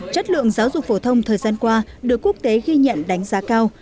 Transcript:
chất lượng giáo dục phổ thông thời gian qua được quốc tế ghi nhận đánh giá cao